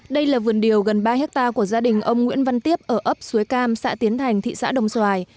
đây là vườn điều gần ba hectare của gia đình ông nguyễn văn tiếp ở ấp suối cam xã tiến thành thị xã đồng xoài